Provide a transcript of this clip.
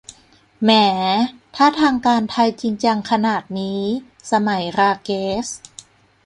แหม ถ้าทางการไทยจริงจังขนาดนี้ สมัย ราเกซ